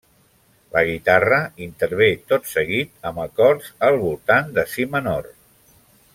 La guitarra intervé tot seguit amb acords al voltant de si menor.